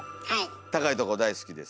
高いとこ大好きです。